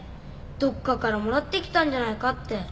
どっかからもらって来たんじゃないかって。